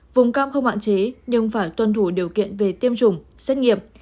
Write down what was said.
vùng cam không hạn chế nhưng phải tuân thủ điều kiện về tiêm chủng xét nghiệm